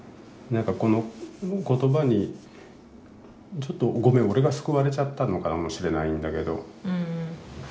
ちょっとごめん俺が救われちゃったのかもしれないんだけど。